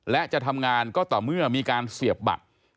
และจะทำงานก็ต่อเมื่อมีการเสียบบัตร